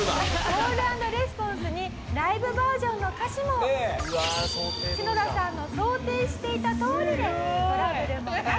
「コール＆レスポンスにライブバージョンの歌詞もシノダさんの想定していたとおりでトラブルもなく」